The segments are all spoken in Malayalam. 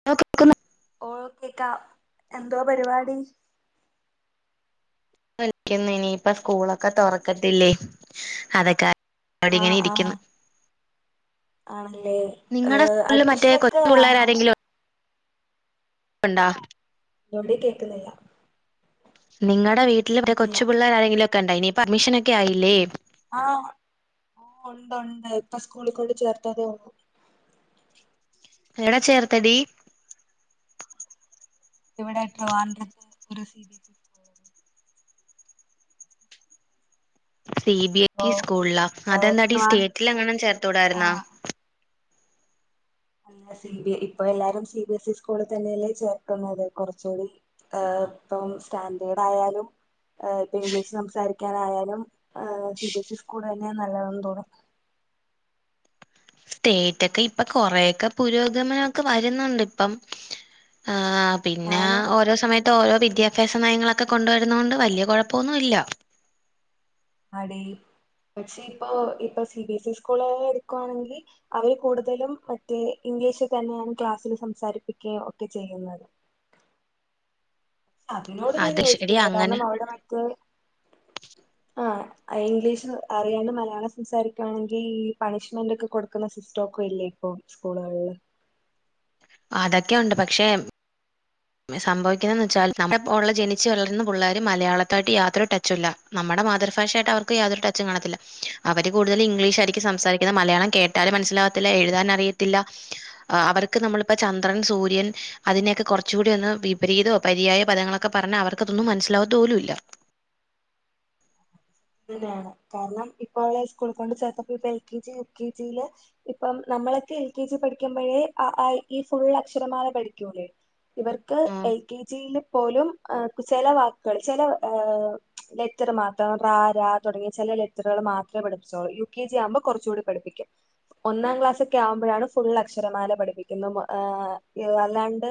[unintelligible] ഓഹ് കേക്കാം. എന്തുവാ പരിപാടി ഒൽക്ക്യന്നെനി ഇപ്പ സ്കൂളൊക്കെ തൊറക്കത്തില്ലേ അതൊക്ക ആഹ് അവിടിങ്ങനെ ആഹ് ഇരിക്ക്യുന്ന് ആണല്ലേ നിങ്ങടെ ഏഹ് സ്കൂൾല് മറ്റേ അഡ്മിഷനൊക്കെ കൊച്ചു ആയോ പിള്ളേരാരെങ്കിലും ഉണ്ടാ എവിടെ കേക്കുന്നില്ല നിങ്ങടെ വീട്ടില് കേട്ടില്ല കൊച്ചു പിള്ളേരാരെങ്കിലും ത്തെണ്ടായിനി അഡ്മിഷനൊക്കെ ആയില്ലേ ആഹ് ഓ ഒണ്ടുണ്ട് ഇപ്പ സ്കൂളി കൊണ്ട് ചേർത്തതേ ഒള്ളൂ എവ്ടെ ചേർത്തടീ ഇവിടെ ട്രിവാണ്ട്രത്ത് ഒരു C B C C B A O T സ്കൂൾലാ ഏഹ് അതെന്താടീ ട്രിവാൻ സ്റ്റേറ്റിലങ്ങാനും ചേർത്തൂടായിര്ന്നൊ ആഹ് അല്ല സി ബി ഇപ്പ എല്ലാരും സി ബി എസ് ഇ സ്കൂളില് തന്നെയല്ലേ ചേർക്കുന്നത് കുറച്ചൂടി ഏഹ് പ്പം സ്റ്റാൻഡേർഡായാലും ഏ ഇപ്പ ഇംഗ്ലീഷ് സംസാരിക്കാനായാലും ഏഹ് സി ബിഎസ് ഇ സ്കൂള് തന്നെ നല്ലതെന്ന് തോന്നും സ്റ്റേറ്റൊക്കെ ഇപ്പൊ കൊറേക്കെ പുരോഗമനമൊക്കെ വരുന്നുണ്ട് ഇപ്പം ആഹ് പിന്നെ ആണ് ഓരോ സമയത്ത് ഓരോ വിദ്യാഭ്യാസ നയങ്ങളൊക്കെ കൊണ്ടുവര്ന്നോണ്ട് വല്ല്യ കൊഴപ്പൊന്നുല്ല അടീ പക്ഷെ ഇപ്പൊ ഇപ്പ C B S E school എടുക്കുവാണെങ്കി അവര് കൂടുതലും മറ്റേ ഇംഗ്ലീഷ് തന്നെയാണ് ക്ലാസ്സിൽ സംസാരിപ്പിക്കാ ഒക്കെ ചെയ്യുന്നത് അതിനോട് ഞാൻ അത് ശരി യോജിക്കുന്നില്ല കാരണം അങ്ങനെ അവിടെ മറ്റേ ആഹ് ഇംഗ്ലീഷ് അറിയാണ്ട് മലയാളം സംസാരിക്കാണെങ്കി ഈ പണിഷ്മെന്റ് ഒക്കെ കൊടു ക്ക്ന്ന സിസ്റ്റൊക്കെ ഇല്ലേ ഇപ്പ സ്കൂള്കൾല് അതൊക്കെ ഉണ്ട് പക്ഷെ സംഭവിക്കുന്നെന്ന് വെച്ചാൽ നമ്മുടെ ബോഡർല് ജനിച്ച് വളർന്ന പുള്ളേര് മലയാളത്തായിട്ട് യാതൊര് ടച്ചുല്ല നമ്മടെ മാതൃഭാഷയാട്ട് അവർക്ക് യാതൊരു ടച്ചും കാണത്തില്ല അവര് കൂടുതലും ഇംഗ്ലീഷ് ആയിരിക്കും സംസാരിക്കുന്നത് മലയാളം കേട്ടാലും മനസ്സിലാവത്തില്ല എഴുതാന് അറിയത്തില്ല അവർക്ക് നമ്മളിപ്പ ചന്ദ്രൻ സൂര്യൻ അതിനെയൊക്കെ കൊർ ച്ചൂടി ഒന്ന് വിപരീതോ പര്യായ പദങ്ങളൊക്കെ പറഞ്ഞാ അവർക്കതൊന്നും മനസ്സിലാവത്തുപോലുല്ല ഇങ്ങനേണ് കാരണം ഇപ്പോ ഐസ്കൂള് കൊണ്ട് ചേർത്തപ്പോ ഇപ്പ L K G U K ജിലെ ഇപ്പം നമ്മളെക്കെ എൽ കെ ജി പഠിക്കുമ്പഴേ അ ആ ഇ ഈ ഫുൾ അക്ഷരമാല പഠിക്കൂലേ ഇവർക്ക് ഇല്ല എൽ കെ ജിയില് പോലും ചെല വാക്കുകള് ചെല ലെറ്റർ മാത്രം പ്ര, ര, തുടങ്ങിയ ചെല ലെറ്ററുകള് മാത്രേ പഠിപ്പിച്ചോള്ളു യു കെ ജി ആവുമ്പോ കൊറച്ചൂടി പഠിപ്പിക്കും ഒന്നാം ക്ലാസ് ഒക്കെ ആവുമ്പോഴാണ് ഫുൾ അക്ഷരമാല പഠിപ്പിക്കുന്നെ ഏഹ് അല്ലാണ്ട്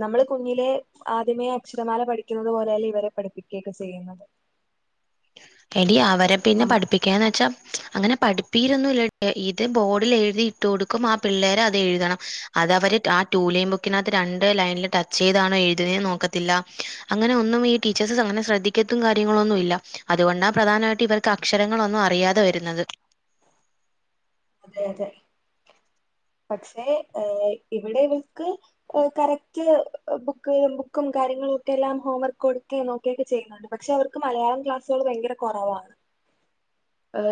നമ്മള് കുഞ്ഞിലെ ആദ്യമേ അക്ഷരമാല പഠിക്കുന്നത് പോലെയല്ല ഇവരെ പഠിപ്പിക്കയൊക്കെ ചെയ്യുന്നത് എടീ അവരെ പിന്നെ പഠിപ്പി ക്കാ വെച്ചാ അങ്ങനെ പഠിപ്പീരൊന്നുല്ല ഇത് ബോഡില് എഴുതി ഇട്ട് കൊടുക്കും അ പിള്ളേരത് എഴുതണം അത് അവര് ആ ടൂലൈൻ ബുക്കിനകത്ത് രണ്ട് ലൈനില് ടച്ച് ചെയ്താണോ എഴ്ത്ണേ നോക്കത്തില്ല അങ്ങനെ ഒന്നും ഈ ടീച്ചേഴ്സ് അങ്ങനെ ശ്രദ്ധിക്കത്തും കാര്യങ്ങളൊന്നും ഇല്ല അതുകൊണ്ടാ പ്രധാനായിട്ട് ഇവർക്ക് അക്ഷരങ്ങളൊന്നും അറിയാതെ വരുന്നത് അതെ അതെ പക്ഷെ ഏഹ് ഇവിടെവക്ക് കറക്റ്റ് ബുക്ക ബുക്കും കാര്യങ്ങളും ഒക്കെ എല്ലാം ഹോംവർക്ക് കൊടുക്കേം നോക്കിയൊക്കെ ചെയ്യുന്നു പക്ഷെ അവർക്ക് മലയാളം ക്ലാസ്സുൾ ഭയങ്കര കുറവാ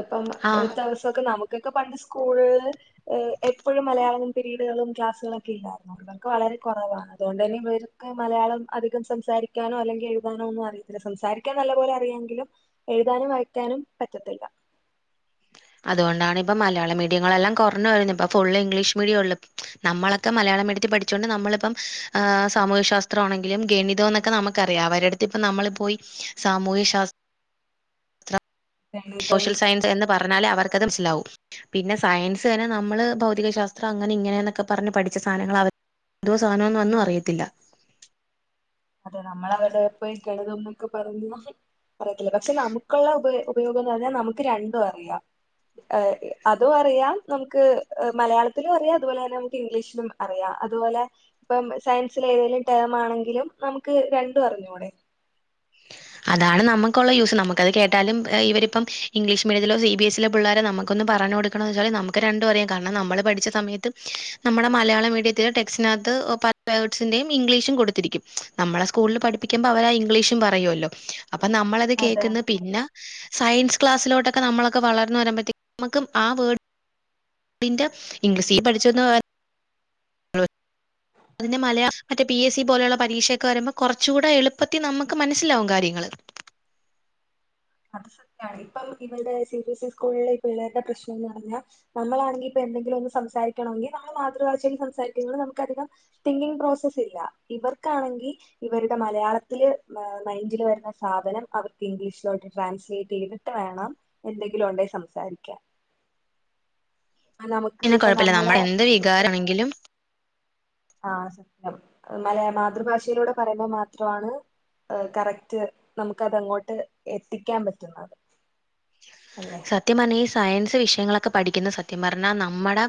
ഇപ്പം ആ ഒരു ദിവസൊക്കെ നമുക്ക് ക്കെ പണ്ട് സ്കൂളൽ എപ്പോഴും മലയാളം പീരീഡുകളും ക്ലാസ്സുകളൊക്കെ ഇല്ലായിരുന്നോ ഇർക്ക് വളരെ കുറവാ അതൊണ്ട് ന്നെ ഇവർക്ക് മലയാളം അധികം സംസാരിക്കാനോ അല്ലെങ്കിൽ എഴുതാനോ ഒന്നും അറിയില്ല അത് സംസാരിക്കാൻ നല്ല പോലെ അറിയാങ്കിലും എഴുതാനും വായിക്കാനും പറ്റത്തില്ല അതുകൊണ്ടാണ് ഇപ്പ മലയാള മീഡിയങ്ങളെല്ലാം കുറഞ്ഞ വരുന്നത് ഇപ്പൊ ഫുള് ഇംഗ്ലീഷ് മീഡിയം ഉള്ള നമ്മളൊക്കെ മലയാളംീഡത്തിൽ പഠിച്ചുകൊണ്ട് നമ്മളിപ്പം സാമൂഹ്യ ശാസ്ത്ര ആണങ്കിലും ഗണിതോ എന്നൊക്കെ നമുക്കറിയാം അവരുടുത്ത് ഇപ്പ നമ്മളിപോയി സാമൂഹ്യ ശാസ് ഗണിതം സോഷ്യൽ സയൻസ് എന്ന് പറഞ്ഞാലേ അവർക്ക്ത് മനസ്സിലാവും പിന്നെ സയൻസ് തന്നെ നമ്മള് ഭ ശാസ്ത്രം അങ്ങനെ ഇങ്ങനെയന്നൊക്കെ പറഞ് പഠിച്ച സാധനങ്ങൾ എന്തോ സാധനോ ന്നൊന്നും അറിയത്തില്ല അതെ നമ്മളവിടെ പോയി ഗളത ന്നൊക്കെ പറഞ്ഞ പറയത്തില്ല പക്ഷെ നമുക്കുള്ള ഉപ ഉപയോഗുന്നത് പറഞ്ഞാൽ നമുക്ക് രണ്ടും അറിയാം അതും അറിയാം നമുക്ക്് മലയാളത്തിലും അറിയാം അതുപോലെ തന്നെ നമുക്ക് ഇംഗ്ലീഷിലും അറിയാം അതുപോലെ ഇപ്പം സയൻസിലെതേലും ടേം ആണെങ്കിലും നമുക്ക് രണ്ടും അറിഞ്ഞൂടെ അതാണ് നമുക്കുള്ള യൂസ് നമുക്കത് കേട്ടാലും ഇവരിപ്പം ഇംഗ്ലീഷ് മീഡിയത്തിലോ സി ബി എസ്സിലോ പിള്ളേരെ നമുക്കൊന്ന് പറഞ് കൊടു വെച്ച നമുക്ക് രണ്ടും അറിയ കാരണം നമ്മള് പഠിച്ച സമയത്ത് നമ്മുടെ മലയാള മീഡിയത്തിൽ ടെക്റ്റിനകത്ത് സിന്റെയും ഇംഗ്ലീഷും കൊടുത്തിരിക്കും നമ്മളെ സ്കൂളിൽ പഠിപ്പിക്കുമ്പോ അവരാ ഇംഗ്ലീഷും പറയുല്ലോ അപ്പൊ നമ്മളത് അതെ കേൾക്കുന്ന പിന്ന സയൻസ് ക്ലാസ്സിലോട്ടൊക്കെ നമ്മളൊക്കെ വളർന്നു വരുമ്പോഴത്തേ നു നമുക്ക് ആ ഇംഗ്ലീഷീ പഠിച്ചന്നു [unintelligible] അതിന്റെ മലയാം മറ്റേ പി എസ് സി പോലുള്ള പരീക്ഷയൊക്കെ വരുമ്പോ കുറച്ച കൂടെ എളുപ്പത്തി നമുക്ക് മനസ്സിലാവും കാര്യങ്ങൾ അത് സത്യാണ് ഇപ്പം ഇവടെ സി ബ എസ് ഇ സ്കൂളിലെ പിള്ളേരുടെ പ്രശ്നം എന്ന് പറഞ്ഞാ നമ്മളാണെങ്കി ഇപ്പോ എന്തെങ്കിലും ഒന്ന് സംസാരിക്കണോെങ്ക നമ്മെ മാതൃഭാഷയിൽ സംസാരികുമ്പള് നമുക്കധികം തിങ്കിങ് പ്രോസസ് ഇല്ല ഇവർക്കാണെങ്കി ഇവരുടെ മലയാളത്തില് മൈന്ഡില് വരുന്ന സാധനം അവർക്ക് ഇംഗ്ലീഷിലോട്ട ട്രാൻസ്ലേറ്റ് യ്തിട്ട് വേണം എന്തെങ്കിലും ഉണ്ടൽ സംസാരിക്കാൻ നമുക്ക് പിന്നെ ഇപ്പൊ കുഴപ്പല്ല നമ്മുടെ നമ്മടെ എന്ത് വികാരണെങ്കിലും ആഹ് സത്യം മലയാ മാതൃഭാഷയിലൂടെ പറയുമ്പോ മാത്രണ് കറക്റ്റ് നമുക്ക് അതങ്ങോട്ട് എത്തിക്കാൻ പറ്റുന്നത് അല്ലേ സത്യം പറഞ്ഞ ഈ സയൻസ് വിഷയങ്ങളൊക്കെ പഠിക്കുന്ന സത്യം പറഞ്ഞാ നമ്മുടെ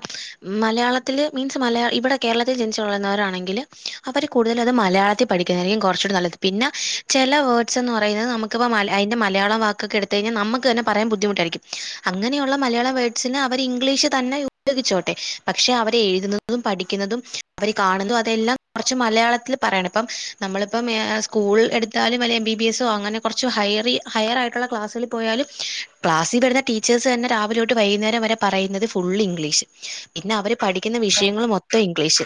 മലയാള മളത്തിത്തില് മീൻസ് മലയാള ഇവിടെ കേരളത്തിൽ ജനിച്ചുള്ളുന്നവരാണെങ്കില് അവർ കൂടുതല അത് മലയാളത്തി പഠിക്കതായിരിക്കും കുറച്ചുകൂടി നല്ലത് പിന്നെ ചെല വേഡ്സ് എന്ന്പറയുന്നത് നമുക്ക്പ്പോ അയിന്റെ മലയാളം വാക്കൊക്കെ എടുത്ത് കഴിഞ്ഞാ നമുക്ക് തന്നെ പറയാൻ ബുദ്ധിമു അങ്ങനെയുള്ള മലയാള വേഡ്സിന് അവർ ഇംഗ്ലീഷ് തന്നെ ഉപയോഗിച്ചോട്ടെ പക്ഷെ അവരെ എഴുത് പഠിക്കുന്നതും അവര് കാണുന്നതും അതെല്ലാം കുറച്ച് മലയാളത്തി പറയണം ഇപ്പം നമ്മളിപ്പം ഏഹ് സ്കൂൾ എടുത്താലും അല്ലെ എം ബി ബി എസ്സോ അങ്ങനെ കുറച്ച് ഹയറി ഹയർ ആയിട്ടുള്ള ക്ലാസ്സിൽ പോയാലും ക്ലാസ്സിൽ വര്ന്ന ടീച്ചേഴ്സ് തന്നെ രാവിലൊട്ട് വൈകുന്നേരം വരെ പറയുന്നത് ഫുൾ ഇംഗ്ലീഷ് പിന്നെ അവര് പഠിക്കുന്ന അതെ അതെ വിഷയങ്ങളും മൊത് ഇംഗ്ലീഷ്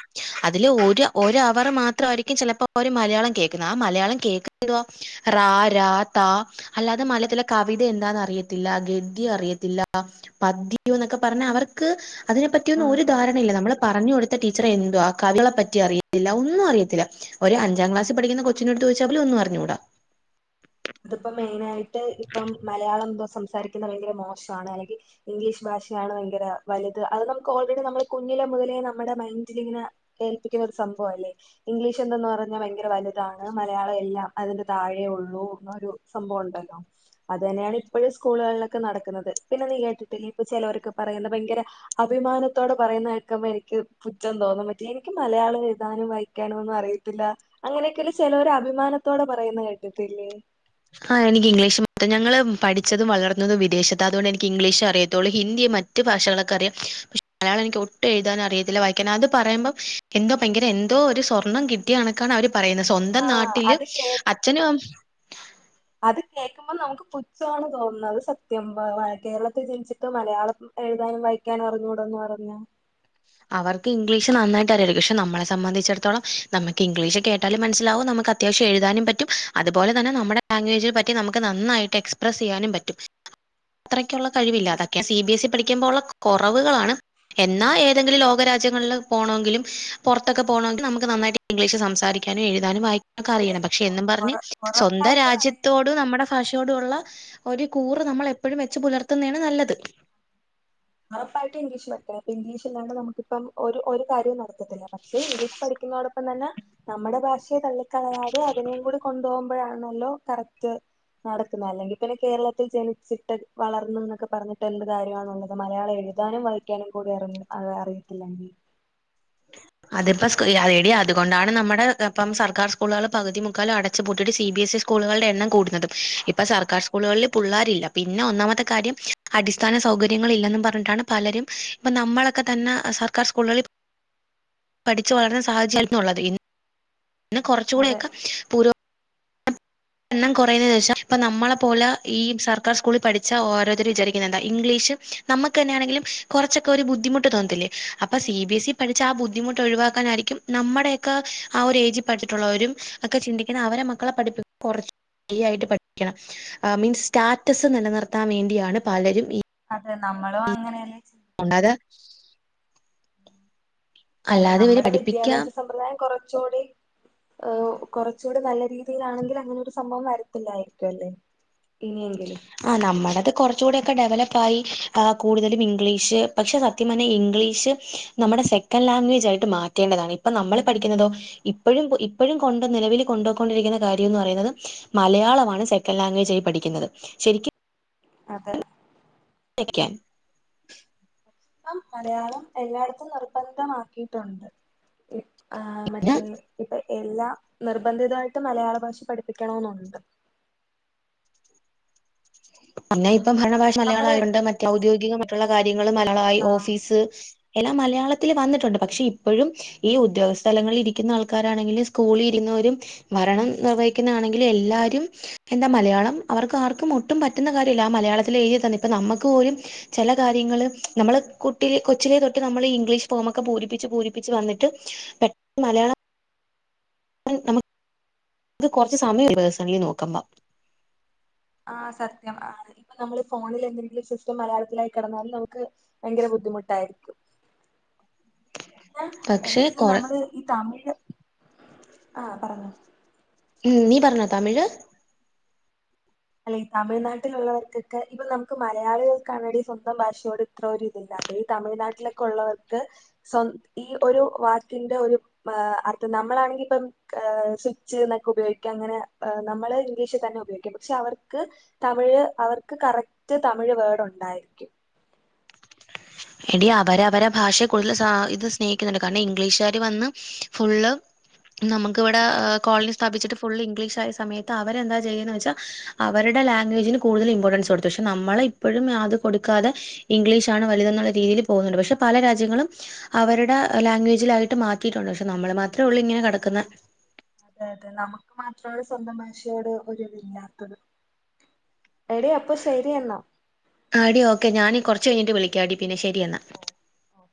അതില് ഒരു ഒരു അവർ മാത്രമായിരിക്കും ചിലപ്പോ മലയാളം കേൾക്കുന്നത് ആ മലയാളം കേക്ക് റ രാ ത അല്ലാതെ മലയാത്തിലെ കവിത എന്താന്ന് അറിയ ത്തില്ല ഗദ്യ അറിയത്തില്ല പദ്യോ എന്നൊക്കെ പറഞ്ഞ അവർക്ക് അതിനെപ്പറ്റിയൊന്നും ഉം ഒരു ഉം ധാരണയില്ല നമ്മള് പറഞ്ഞ് കൊടുത്ത ടീച്ചറെ എന്തോ ആ കഥികളെപ്പറ്റി അറിയത്തില്ല ഒന്നും അറിയത്തില്ല ഒരു അഞ്ചാം ക്ലസിൽ പഠിക്കുന്ന കൊച്ചിനോടുത്ത് ച്ചോയ്ച്ചൽ പോലും ഒന്നും അറിഞ്ഞുടാ അതിപ്പോ മെയിനയിട്ട് ഇപ്പം മലയാളം എന്തോ സംസാരിക്കുന്നത് ഭയങ്കര മോശണ് അല്ലെങ്കി ഇംഗ്ലീഷ് ഭാഷയാണ് ഭയങ്കര വലുത് അത് നമുക്ക് ഓൾറെഡി നമ്മൾ കുഞ്ഞിലെ മുതലേ നമ്മുടെ മൈൻഡിലിങ്ങനെ കേപ്പിക്കുന്ന ഒരു സംഭവം അല്ലേ ഇംഗ്ലീഷ് എന്തെന്ന് പറഞ്ഞാ ഭയങ്കര വലുതാണ് മലയാളം എല്ലാം അതിന്റെ താഴെ ഉള്ളൂ ഒരു സംഭവം ഉണ്ടല്ലോ അത് തന്നെയാണ് ഇപ്പോഴും സ്കൂളുകളിലൊക്കെ നടക്കുന്നത് പിന്നെ നീ കേട്ടിട്ടില്ലേ ഇപ്പോ ചിലവരൊക്കെ പറയുന്ന ഭയങ്കരെ അഭിമാനത്തോടെ പറയുന്നേകേക്കുമ്പോ എനിക്ക് പുച്ഛം തോന്നും മറ്റേ എനിക്ക് മലയാളം എഴുതാനും വായിക്കാനും ഒന്നും അറിയ ത്തില്ല അങ്ങനെയൊക്കെ ചിലർ അഭിമാനത്തോടെ പറയുന്നേ കേട്ടിട്ടില്ലേ ആഹ് എനിക്ക് ഇംഗ്ലീഷ് ഞങ്ങള് പഠിച്ചത് വളർന്നതും വിദേശത്ത് ആ അതുകൊണ്ട് എനിക്ക് ഇംഗ്ലീഷ് അറിയത്തുള്ളൂ ഹിന്ദി മാ മറ്റു ഭാഷകളൊക്കെ അറിയാം പക്ഷേ മലയാളം എനിക്ക് ഒട്ടും എഴുതാൻ അറിയത്തില്ല വായിക്കാൻ അത് പറയുമ്പോം എന്തോ ഭയങ്കര എന്തോ ഒരു സ്വർണം കിട്ടിയ കണക്കാണ് അവര് പറയുന്നത് സ്വന്തം ആഹ് നാട്ടില് അത് കേ അച്ഛന് അമ് അത് കേൾക്കുമ്പോ നമുക്ക് പുച്ഛ മാണ് തോന്നുന്നത് അത് സത്യം കേരളത്തിൽ ജനിച്ചിട്ട് മലയാളം എഴുതാനും വായിക്കാനും അറിഞ്ഞൂടോന്ന് പറഞ്ഞ അവർക്ക് ഇംഗ്ലീഷ് നന്നായിട്ട് അറിയരിക്കും പക്ഷെ നമ്മളെ സംബന്ധിച്ചിടത്തോളം നമുക്ക് ഇംഗ്ലീഷ് കേട്ടാലും മനസിലാവും നമുക്ക് അ അത്യാവശ്യം എഴുതാനും പറ്റും അതുപോലെ തന്നെ നമ്മുടെ ലാംഗ്വേജിന് പറ്റി നമുക്ക് നന്നായിട്ട് എക്സ്പ്രസ്സ്‌ ചെയ്യാനും പറ്റും അത്രക്കുള്ള കഴിവില്ല അതൊക്കെ സി ബി എസ് ഇ പഠിക്കുമ്പോള്ള കുറവുകളാണ് എന്നാ എന്തെങ്കിലും ലോകരാജ്യങ്ങളിൽ പോണെങ്കിലും പുറത്തൊക്കെ പോകണമെങ്കി നമുക്ക് നന്നായിട്ട് ഇംഗ്ലീഷ് സംസാരിക്കാനും എഴുതാനുംവായിക്കാ - ഇവിടെ അറിയണം പക്ഷെ എന്നും ഉറ പറഞ്ഞ് സ്വന്തം ഉറപ്പായിട്ടും അറിയാം രാജ്യത്തോട് നമ്മുടെ ഭാഷയോടുള്ള ഒരു കൂറ് നമ്മൾ എപ്പോഴും വെച്ച് പുലർത്തുന്നണ് നല്ലത് ഉറപ്പായിട്ട് ഇംഗ്ലീഷ് പഠിക്കണം ഇംഗ്ലീഷില്ലാണ്ട് നമുക്കിപ്പം ഒരു ഒരു കാര്യവും നടക്ക പക്ഷെ ഇംഗ്ലീഷ് പഠിക്കുന്നതോടൊപ്പം തന്നെ നമ്മുടെ ഭാഷയെ തള്ളിക്കളയാതെ അതിനെയും കൂടെ കൊണ്ടുപോവുമ്പോ പ്പഴാണല്ലോ കറക്റ്റ് നടക്ക്ന്നേ അല്ലെങ്കി പിന്നെ കേരളത്തിൽ ജനിച്ചിട്ട് വളർന്ന്ന്നോക്കെ പറഞ്ഞിട്ട് എന്ത് കാര്യമാണുള്ളത് മലയാളം എഴുതാനും വായിക്കാനും കൂടി അറി അറിയത്തില്ലെങ്കി അതിപ്പോ എടി അതുകൊണ്ടാണ് നമ്മുടെ ഇപ്പം സർക്കാർ സ്കൂളുകള് പകുതി മുക്കാലും അട ടച്ച് പുട്ടിട്ട് സി ബി എസി സ്കൂളുകളുടെ എണ്ണം കൂടന്നതും ഇപ്പൊ സർക്കാർ സ്കൂളുകളിൽ പുള്ളേരില്ല പിന്നെ ഒന്നാമത്തെ കാര്യം അടിസ്ഥാന സൗകര്യങ്ങൾ ഇല്ലന്ന് പറഞ്ഞിട്ടാണ് പലരും ഇപ്പ നമ്മളൊക്കെ തന്നെ സർക്കാർ സ്കൂളുകളിൽ പഠിച്ചു വളർന്ന സാഹചര്യം ഉള്ളത് ഇന്ന് കോറച്ചു അതെ കൂടെക്കെ എണ്ണം കുറയുന്നത് ന്ന് വെച്ച ഇപ്പ നമ്മളെ പോലെ ഈ സർക്കാർ സ്കൂളിൽ പഠിച്ചാ ഓരോരുത്തർ വിചാരിക്കുന്നേ എന്താ ഇംഗ്ലീഷും നമ്മക്ക് തന്നെണെങ്കിലും കോറച്ചൊക്കെ ഒരു ബുദ്ധിമുട്ട് തോന്നത്തില്ലേ അപ്പ സി ബി എസി പഠിച്ച ആഹ് ബുദ്ധിമുട്ട് ഒഴിവാക്കാനായിരിക്കും നമ്മുടെക്കെ ആഹ് ഒരു ഏജിൽ പഠിച്ചിട്ടുള്ളവരും ഒക്കെ ചിന്തിക്കുന്ന അവരെ മക്കളെ പഠിപ്പി [unintelligible] മീൻസ് സ്റ്റാറ്റസ് നിലനിർത്താൻ വേണ്ടിയാണ് പലരും ഈ അതെ നമ്മളും അങ്ങനെന്നെ മുണ്ടാതെ അല്ല അല്ലാതെ ഇവര് നമ്മടെ പഠിപ്പിക്കാൻ വിദ്യാഭ്യാസ സമ്പ്രദായം കോറച്ചുടി ഏഹ് കുറച്ചൂടി നല്ല രീതിലാണെങ്കി അങ്ങനെ ഒരു സംഭവം വരത്തില്ലായിരിക്കും അല്ലെ ഇനിയെങ്കിലും ആഹ് നമ്മടെത് കോറച്ചുടെക്കെ ഡെവലപ്പ ആയി ആഹ് കൂടുതലും ഇംഗ്ലീഷ് പക്ഷെ ന സത്യം പർഞ്ഞ ഇംഗ്ലീഷ് നമ്മടെ സെക്കന്റ് ലാഗ്വേജ് ആയിട്ട് മാറ്റേണ്ടതാണ് ഇപ്പൊ നമ്മള് പഠിക്കുന്നതോ ഇപ്പഴും ഇപ്പഴും കൊണ്ട് നിലവിൽ കൊണ്ടോക്കൊണ്ടിരിക്കുന്ന കാര്യംന്ന് പറയുന്നത് മലയാളമാണ് സെക്കന്റ് ലാഗ്വേജ് ആയി പഠിക്കുന്നത് ശെരിക്കും അതെ [unintelligible] ഇപ്പം മലയാളം എല്ലായിടത്തും നിർബന്ധമാക്കിട്ടുണ്ട് ആഹ് മറ്റത് ഇപ്പൊ എല്ലാ നിർബന്ധിതായിട്ടും മലയാള ഭാഷ പഠിപ്പിക്കണോന്നുണ്ട് അന്നെ ഇപ്പം ഭരണ ഭാഷ മലയാളം നമ്മള് ആയതോണ്ട് മറ്റേ ഔദ്യോഗിക റ്റുള്ള കാര്യങ്ങള് മലയാളയി ആ ഓഫീസ് എല്ലാം മലയാളത്തില് വന്നിട്ടുണ്ട് പക്ഷെ ഇപ്പഴും ഈ ഉദ്യോഗസ്ഥ സ്ഥലങ്ങളിൽ ഇരിക്കുന്ന ആൾക്കാരാണെങ്കിലും സ്കൂളിൽ ഇരുന്നവരും ഭരണം നിർവഹിക്കുന്ന ആണെങ്കിലും എല്ലാരും എന്താ മലയാളം അവർക്ക് ആർക്കും ട്ടും പറ്റുന്ന കാര്യല്ല ആഹ് മലയാളത്തിൽ എഴുതി തന്ന ഇപ്പം നമ്മക്ക് പോലും ചെല കാര്യങ്ങള് നമ്മള് കുട്ടി കൊച്ചിലെ തൊട്ട് നമ്മള് ഈ ഇംഗ്ലീഷ് ഫോമ് ഒക്കെ പൂരിപ്പിച്ച് പൂരിപ്പിച്ച് വന്നിട്ട് പെട്ടന്ന് മലയാളം [unintelligible] പേഴ്സണലി നോക്ക്മ്പോ ആഹ് സത്യം ആണ് ഇപ്പൊ നമ്മള് ഫോണില് എന്തെങ്കിലും സിസ്റ്റം മലയാളത്തിലായി കെടന്നാലും നമുക്ക് ഭയങ്കര ബുദ്ധിമുട്ടായിരിക്കും പക്ഷെ ഈ കൊറ നമ്മള്ത് ഈ തമിഴ് ആഹ് പറഞ്ഞോ ഉം നീ പറഞ്ഞോ തമിഴ് അല്ലെ തമിഴ്നാട്ടിലുള്ളവർക്കൊക്കെ ഇപ്പം നമുക്ക് മലയാളികൾക്കാണെടി സ്വന്തം ഭാഷയോട് അത്ര ഒരു ഇതില്ലാത്തെ ഈ തമിഴ്നാട്ടിലൊക്കെ ഉള്ളവർക്ക് സ്വന്ത ഈ ഒരു വാക്കിന്റെ ഒരു പ്പ അത് നമ്മളാണെങ്കി ഇപ്പം സ്വിച്ച് ഇന്നൊക്കെ ഉപയോഗിക്കാം അങ്ങനെ നമ്മള് ഇംഗ്ലീഷിൽ തന്നെ ഉപയോഗിക്കും പക്ഷെ അവർക്ക് തമിഴ് അവർക്ക് കറക്റ്റ് തമിഴ് വേർഡ് ഉണ്ടായിരിക്കും എടി അവര് അവരെ ഭാഷയെ കൂടുതല് ഇത് സ്നേഹിക്കുന്നുണ്ട് കാരണം ഇംഗ്ലീഷുകാര് വന്ന് ഫുള്ള് നമുക്ക് ഇവടെ കോളനി സ്ഥാപിച്ചിട്ട് ഫുൾ ഇംഗ്ലീഷായ സമയത്ത് അവരെന്താ ചെയ്യാന്ന് വെച്ചാ അവരുടെ ലാഗ്വേജിന് കൂടുതൽ ഇമ്പോർട്ടൻസ് കൊടുത്തു പക്ഷെ നമ്മളെ ഇപ്പോഴും അത് കൊടുക്കാതെ ഇംഗ്ലീഷാണ് വലുതെന്നുള്ള രീതിയിൽ പോകുന്നുണ്ട് പക്ഷെ പല രാജ്യങ്ങളും അവരുടെ ലാംഗ്വേജിലായിട്ട് മാറ്റിയിട്ടുണ്ട് പക്ഷെ നമ്മള് മാത്രേ ഉള്ളൂ ഇങ്ങനെ കിടക്കുന്ന അത അതെ നമുക്ക് മാത്രമാണ് സ്വന്തം ഭാഷയോട് ഒരുതില്ലാത്തത് എടെ അപ്പൊ ശരി എന്നാ ആഹ് അടി ഓക്കെ ഞാനീ കുറച്ച് കഴിഞ്ട്ട് വിളിക്കാടി പിന്നെ ശരി എന്നാ ഓ ഓ